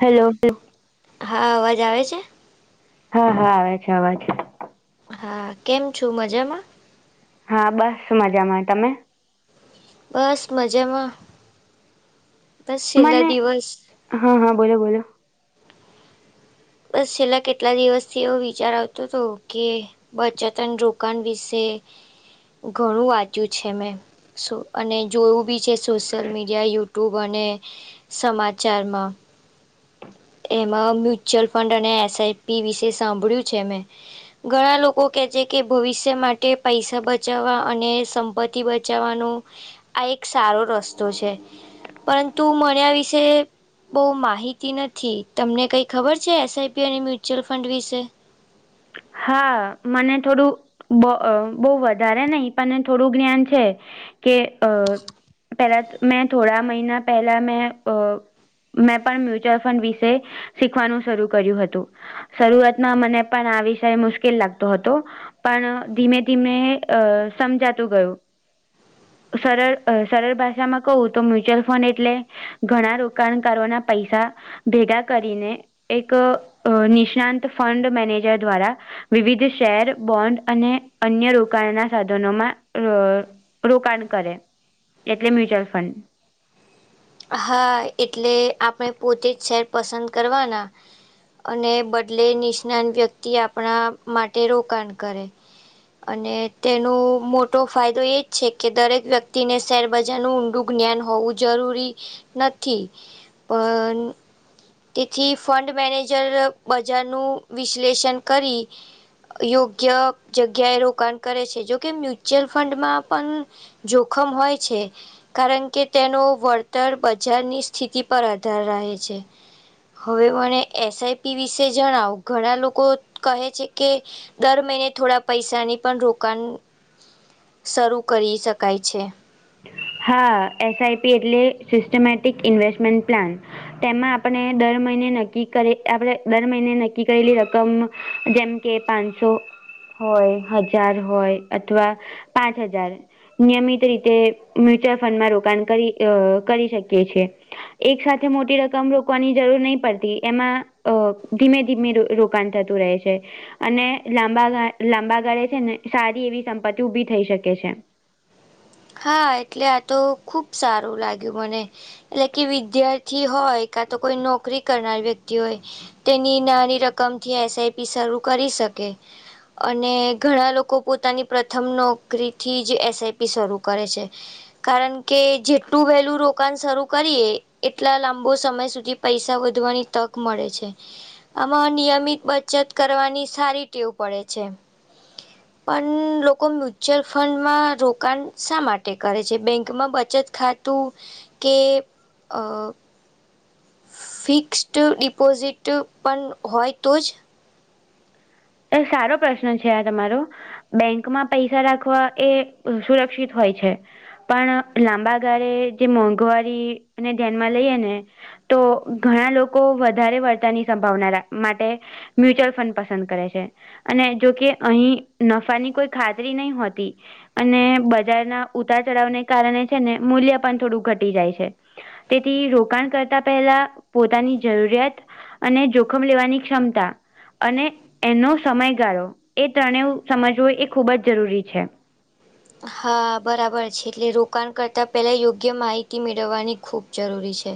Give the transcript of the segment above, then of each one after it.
Hello હા અવાજ આવે છે હા હા આવે છે અવાજ હા કેમ છો મજામાં હા બસ મજામાં તમે? બસ મજામાં બસ છેલ્લા મને દિવસ હા હા બોલો બોલો? બસ છેલ્લા કેટલા દિવસથી એવો વિચાર આવતો તો કે બચત અને રોકાણ વિશે ઘણું વાંચ્યું છે મેં અને જોયું બી છે સોશિયલ મીડિયા, યુટ્યુબ અને સમાચારમાં એમાં મ્યુચ્યુઅલ ફંડ અને એસઆઈપી વિશે સાંભળ્યું છે મેં. ઘણા લોકો કે છે કે ભવિષ્ય માટે પૈસા બચાવવા અને સંપત્તિ થી બચાવવાનો આ એક સારો રસ્તો છે. પરંતુ મનેઆ વિશે બહુ માહિતી નથી તમને કઈક ખબર છે એસ આઈ પી અને મ્યુચ્યુઅલ ફંડ વિશે હા મને થોડું બ બહું વધારે નઈ પણ થોડું જ્ઞાન છે. કે અ પેલા મેં થોડા મહિના પહેલા મેં અ મેં પણ મ્યુચ્યુઅલ ફંડ વિશે શીખવાનું શરૂ કર્યું હતું. શરૂઆતમાં મને પણ આવી ત્યારે મુશ્કેલ લાગતો હતો પણ ધીમે ધીમે અ સમજાતું ગયું. સરળ સરળ ભાષામાં કહું તો મ્યુચ્યુઅલ ફંડ એટલે ઘણા રોકાણકારો ના પૈસા ભેગા કરીને એક નિષ્ણાંત ફંડ મેનેજર દ્વારા વિવિધ શેર, બોન્ડ અને અન્ય રોકાણના સાધનોમાં રોકાણ કરે એટલે, મ્યુચ્યુઅલ ફંડ હા એટલે આપણે પોતે જ શેર પસંદ કરવાના અને બદલે નિષ્નાાન વ્યક્તિ આપણા માટે રોકાણ કરે અને તેનો મોટો ફાયદો એ જ છે કે દરેક વ્યક્તિને શેરબજારનું ઊંડું જ્ઞાન હોવું જરૂરી નથી પણ તેથી ફંડ મેનેજર બજારનું વિશ્લેષણ કરી યોગ્ય જગ્યાએ રોકાણ કરે છે જોકે મ્યુચ્યુઅલ ફંડમાં પણ જોખમ હોય છે કારણ કે તેનો વત તર બજારની સ્થિતિ પર આધાર રહે છે. હવે મને એસઆઈપી વિશે જણાવ ઘણા લોકો કહે છે, કે દર મહિને થોડા પૈસાની પણ રોકાણ શરૂ કરી શકાય છે. હા એસઆઈપી એટલે સિસ્ટમેટિક ઇન્વેસ્ટમેન્ટ પ્લાન તેમાં આપણે દર મહિને નક્કી કરી આપણે દર મહિને નક્કી કરેલી રકમ જેમ કે પાંસો હોય હજાર હોય અથવા પાંચ હજાર નિયમિત રીતે મ્યુચ્યુઅલ ફંડમાં રોકાણ કરી કરી શકીએ છ, છેએ. એક સાથે મોટી રકમ રોકવાની જરૂર નહી પડતી એમાં ધીમે ધીમે રો દુકાન થતું રહે છે. અને લાંબા ગા લાંબા ગાળે છેને, સારી એવી સંપત્તિ ઉભી થઈ શકે છે. હા એટલે આ તો ખુબ સારુ લાગ્યુ મને એટલે કે વિદ્યાર્થી હોય કા તો કોઈ નોકરી કરનાર વ્યક્તિ હોય. તેની નાની રકમથી એસઆઈપી શરૂ કરી શકે અને ઘણા લોકો પોતાની પ્રથમ નોકરીથી જ એસઆઈપી સ્વરૂપ કરે છે. કારણ કે જેટલું વહેલું રોકાણ શરૂ કરીએ એટલા લાંબો સમય સુધી પૈસા વધવાની તક મળે છે. આમાં નિયમિત બચત કરવાની સારી ટેવ પડે છે. પણ લોકો મ્યુચ્યુઅલ ફંડમાં રોકાણ શા માટે કરે છે, બેંકમા બચત ખાતું કે ફિક્સ્ડ ડિપોઝિટ પણ હોય તો જ એક સારો પ્રશ્ન છે આ તમારો બેંકમાં પૈસા રાખવા એ સુરક્ષિત હોય છે. પણ લાંબા ગાળે જે મોંઘવારી ને ધ્યાનમાં લઈએ ને તો ઘણા લોકો વધારે વળતાની સંભાવના માટે મ્યુચ્યુઅલ ફડ પસંદ કરે છે. અને જોકે અહીં નફાની કોઈ ખાતરી નહી હોતી. અને બજારના ઉતાર ચઢાવને કારણે છે ને મૂલ્ય પણ થોડું ઘટી જાય છે. તેથી રોકાણ કરતા પહેલા પોતાની જરૂરિયાત અને જોખમ લેવાની ક્ષમતા અને એનો સમયગાળો એ ત્રણે સમજવું એ ખૂબ જ જરૂરી છે. હા બરાબર છે એટલે રોકાણ કરતાં પેલા યોગ્ય માહિતી મેળવવાની ખૂબ જરૂરી છે.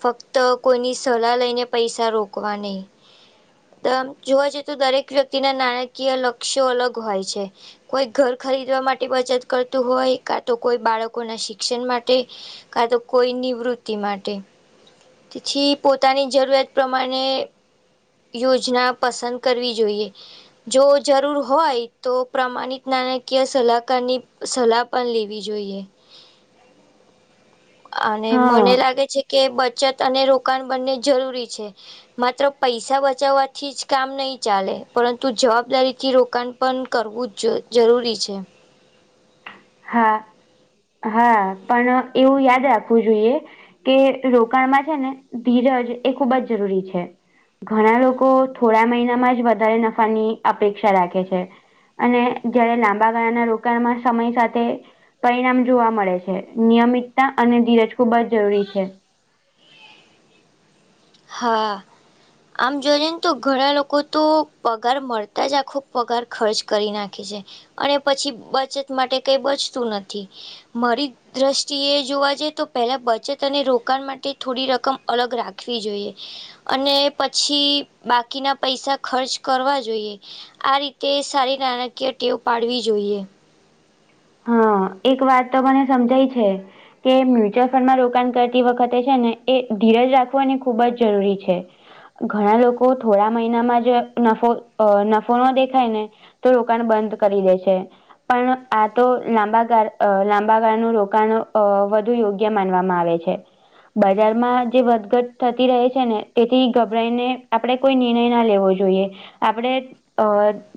ફક્ત કોઈની સલાહ લઈને પૈસા રોકવા નહ જોવા જઈએ તો દરેક વ્યક્તિના નાણાકીય લક્ષ્યો અલગ હોય છે. કોઈ ઘર ખરીદવા માટે બચત કરતું હોય, કા તો કોઈ બાળકોના શિક્ષણ માટે કા તો કોઈ નિ વૃતિ માટે તેથી પોતાની જરૂરિયાત પ્રમાણે યોજના પસંદ કરવી જોઈએ. જો જરૂર હોય તો પ્રમાણિત નાણાકીય સલાક પ્રકારની સલાહ પણ લેવી જોઈએ. અને મને હા લાગે છે કે બચત અને રોકાણ બંને જરૂરી છે. માત્ર પૈસા બચાવવાથી જ કામ નહી ચાલે પરંતુ જવાબદારી થી રોકાણ પણ કરવું જ જરૂરી છે. હા હા પણ એવું યાદ રાખવું જોઈએ. કે રોકાણમાં છે ને ધીરજ એ ખૂબ જ જરૂરી છે. ઘણા લોકો થોડા મહિનામાં જ વધારે નફાની અપેક્ષા રાખે છે. અને જયારે લાંબા ગાળાના રોકાણમાં સમય સાથે પરિણામ જોવા મળે છે નિયમિતતા અને ધીરજ ખૂબ જ જરૂરી છે હા આમ જોઈએ ને તો ઘણા લોકો તો પગાર મળતા જ આખો પગાર ખર્ચ કરી નાખે છે અને પછી બચત માટે કઈ બચતું નથી મારી દ્રષ્ટિએ જોવા જઈ તો પહેલા બચત અને રોકાણ માટે થોડી રકમ અલગ રાખે વી જોઈએ અને પછી બાકીના પૈસા ખર્ચ કરવા જોઈએ આ રીતે સારી નાણકીય ટેવ પાડવી જોઈએ હા એક વાત તો મને સમજાય છે કે મ્યુચ્યુઅલ ફંડમાં રોકાણ કરતી વખતે છે ને એ ધીરજ રાખવાની ખૂબ જ જરૂરી છે ઘણા લોકો થોડા મહિનામાં જ નફો નફો ન દેખાય ને તો રોકાણ બંધ કરી દે છે પણ તો લાંબા ગાળ લાંબા ગાળ નું રોકાણ અ વધુ યોગ્ય માનવામાં આવે છે બજારમાં જે વધઘટ થતી રહે છે ને તેથી ગભરાઈને આપડે કોઈ નિર્ણય ના લેવો જોઈએ આપણે અ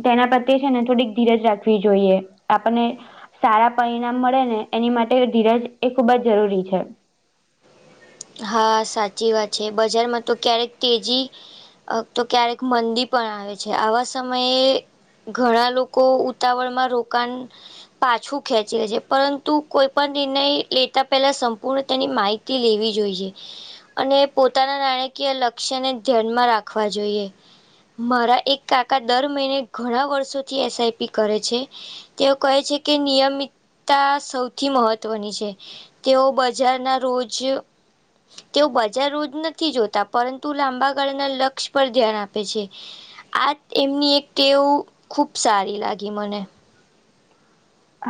તેના પ્રત્યે છે ને થોડીક ધીરજ રાખવી જોઈએ આપણને સારા પરિણામ મળે ને એની માટે ધીરજ એ ખૂબ જ જરૂરી છે હા સાચી વાત છે બજારમાં તો ક્યારેક તેજી તો ક્યારેક મંદી પણ આવે છે આવા સમયે ઘણા લોકો ઉતાવળ માં રોકાણ પાછું ખેંચી લે છે પરંતુ કોઈ પણ નિર્ણય લેતા પહેલા સંપૂર્ણ તેની માહિતી લેવી જો જોઈશે અને પોતાના નાણાકીય લક્ષ્યને ધ્યાનમાં રાખવા જોઈએ મારા એક કાકા દર મહિને ઘણા વર્ષોથી એસઆઈપી કરે છે તેઓ કહે છે કે નિયમિતતા સૌથી મહત્વની છે તેઓ બજાર ના રોજ તેઓ બજાર રોજ નથી જોતા પરંતુ લાંબા ગાળના લક્ષ્ય પર ધ્યાન આપે છે આ એમની એક કેવું ખુબ સારી લાગી મને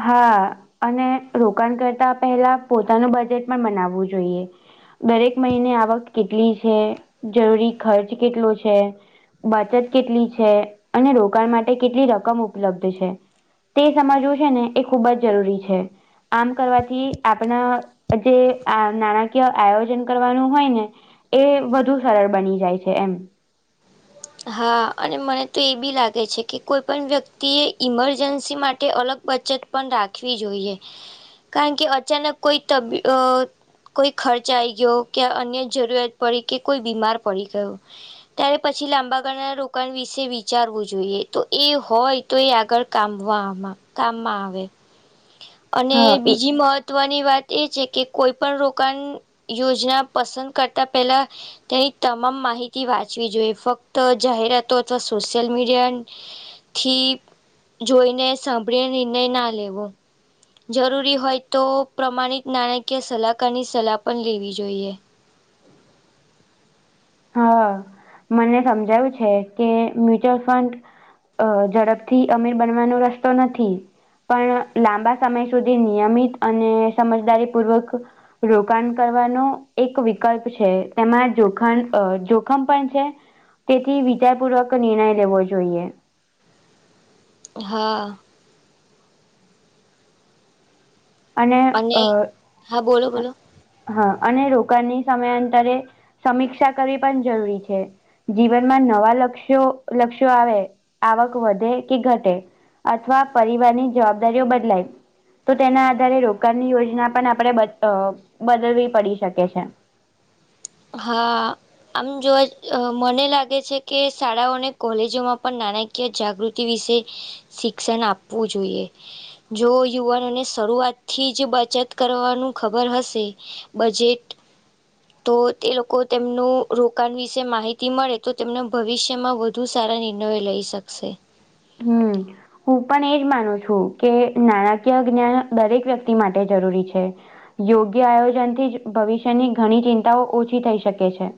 હા અને રોકાણ કરતા પહેલા પોતાનું બજેટ પણ બનાવવું જોઈએ દરેક મહિને આવક કેટલી છે જરૂરી ખર્ચ કેટલો છે બચત કેટલી છે અને રોકાણ માટે કેટલી રકમ ઉપલબ્ધ છે તે સમજવું છે ને એ ખૂબ જ જરૂરી છે આમ કરવાથી આપણા જે આ નાણાકીય આયોજન કરવાનું હોય ને એ વધુ સરળ બની જાય છે એમ હા અને મને તો એ બી લાગે છે કે કોઈ પણ વ્યક્તિએ ઇમરજન્સી માટે અલગ બચત પણ રાખવી જોઈએ કારણ કે અચાનક કોઈ તબી કોઈ ખર્ચ આઈ ગયો કે અન્ય જરૂરિયાત પડી કે કોઈ બીમાર પડી ગયો ત્યારે પછી પછી લાંબા ગળાના રોકાણ વિશે વિચારવું જોઈએ તો એ હોય તો એ આગળ કામવામાં કામમાં આવે અને હ એ બીજી મત મહત્વની વાત એ છે કે કોઈ પણ રોકાણ યોજના પસંદ કરતા પેલા તેની તમામ માહિતી વાંચવી જોઈએ ફક્ત જાહેરાતો અથવા સોશિયલ મીડિયા થી જોઈને સાંભળી નિર્ણય ના લેવો જરૂરી હોય તો પ્રમાણિત નાણાકીય સલાહકારની સલાહ પણ લેવી જોઈએ હા મને સમજાયું છે કે મ્યુચ્યુઅલ ફંડ અ ઝડપથી અમીર બનવાનો રસ્તો નથી પણ લાંબા સમય સુધી નિયમિત અને સમજદારી પૂર્વક રોકાણ કરવાનો એક વિકલ્પ છે તેમાં જોખમ અ જોખમ પણ છે તેથી વિચારપૂર્વક નિર્ણય લેવો જોઈએ હા અને હા બોલો બોલો હા અને રોકાણની સમયાંતરે સમીક્ષા કરવી પણ જરૂરી છે જીવનમાં નવા લક્ષ્યો લક્ષ્યો આવે આવક વધે કે ઘટે. અથવા પરિવારની જવાબદારીઓ બદલાય તો તેના અ્યારે રોકાણની યોજના પણ આપડણે બદલવી પડી શકે છે. હા. આમ જોવા મને લાગે છે કે શાળાઓ અને કોલેજોમાં પણ નાણાંકી. મુ જાગૃતિ વિશે શિક્ષણ આપવું જોઈએ. જો યુવાનોને શરૂઆત થી જ બચત કરવાનું ખબર હશે. બજેટ તો તે લોકો તેમનું રોકાણ વિશે માહિતી મળે તો તેમના ભવિષ્યમાં વધ બધું સારા ને ઇનોવે લઈ શકશે. હમ. હું પણ એજ માનું છું કે નાણાકીય જ્ઞાન દરેક વ્યક્તિ માટે જરૂરી છે. યોગ્ય આયોજન થી જ ભવિષ્યની ઘણી ચિંતાઓ ઓછી થઈ શકે છે.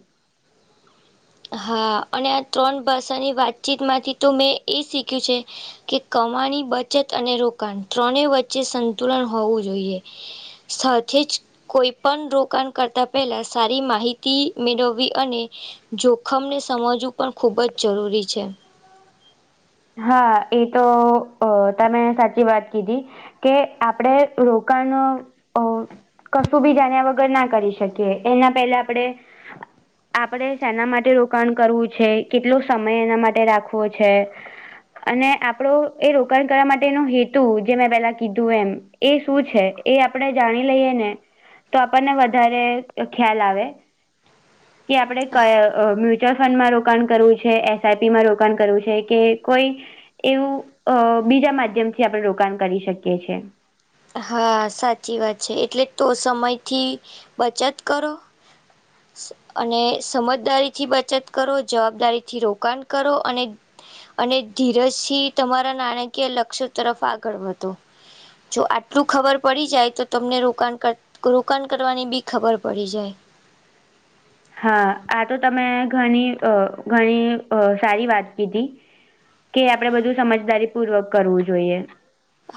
હા અને આ ત્રણ ભાષાની વાતચીતમાંથી તો મેં એ શીખ્યું છે કે કમાણી બચત અને રોકાણ ત્રણે વચ્ચે સંતુલન હોવું જોઈએ સાથે જ. કોઈ પણ રોકાણ કરતા પહેલા સારી માહિતી મેળવવી અને. જોખમને સમજવું પણ ખૂબ જ જરૂરી છે. હા એ તો તમે સાચી વાત કીધી. કે આપડે રોકાણ અ. કશું બી જાણ્યા વગર ના કરી શકીએ એના પહેલા આપણે. [inaudible] આપણે શેના માટે રોકાણ કરવું છે કેટલો સમય એના માટે રાખવો છે. અને આપણો એ રોકાણ કરવા માટેનો હેતુ જે મેં પેલા કીધું એમ. એ શું છે એ આપણે જાણી લઈએ ને. તો આપણને વધારે ખ્યાલ આવે. હ. કે આપણે ક મ્યુચ્યુઅલ ફંડમાં રોકાણ કરવું છે એસઆઈપી માં રોકાણ કરવું છે કે. કોઈ એવું બીજા માધ્યમથી આપણે રોકાણ કરી શકીએ છ છેએ. હા સાચી વાત છે એટલે તો સમયથી બચત કરો. અને સમજદારીથી બચત કરો જવાબદારીથી રોકાણ કરો અને. અને ધીરજથી તમારા નાણાકીય લક્ષ્ય તરફ આગળ વધો. જો આ. એલું ખબર પડી જાય તો તમને રોકાણ કર રોકાણ કરવાની બી ખબર પડી જાય. હા આ તો તમે ઘણી ઘણી સારી વાત કીધી. કે આપડે બધું સમજદારી પૂર્વક કરવું જોઈએ.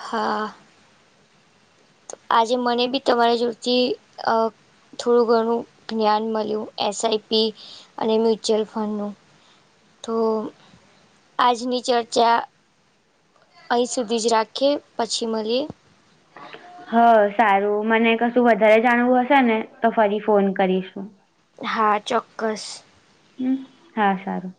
હા આજે મને બી તમારા જોડથી અ. થોડું ઘણું જ્ઞાન મળ્યું એસઆઈપી અને મ્યુચ્યુઅલ ફંડનુંું. તો આજની ચર્ચા. અહીં સુધી જ રાખીએ પછી મળીએ. હ સારું મને કશું વધારે જાણવું હશે ને તો ફરી ફોન કરીશું. હા ચોક્કસ. હમ હા સારું.